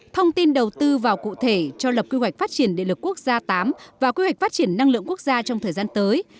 thông tin đầu tư vào cụ thể cho lập quy hoạch phát triển địa lực quốc gia viii và quy hoạch phát triển năng lượng quốc gia trong thời gian tới